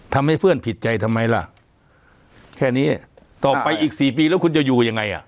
ทำให้เพื่อนผิดใจทำไมล่ะแค่นี้ต่อไปอีกสี่ปีแล้วคุณจะอยู่ยังไงอ่ะ